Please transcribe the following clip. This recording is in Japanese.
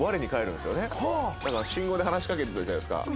なんか信号で話しかけてたじゃないですか。